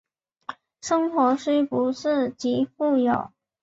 生活虽不是极富有